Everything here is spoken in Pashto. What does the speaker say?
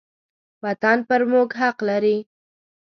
وطن پر موږ حق لري.